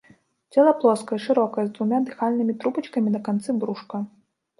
Цела плоскае, шырокае, з двума дыхальнымі трубачкамі на канцы брушка.